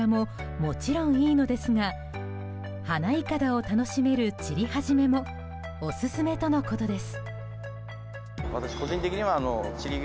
満開の桜ももちろんいいのですが花いかだを楽しめる散り始めもオススメとのことです。